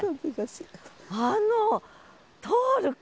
あの通る声。